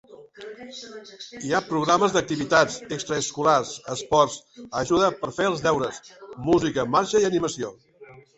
Hi ha programes d'activitats extraescolars, esports, ajuda per fer els deures, música, marxa i animació.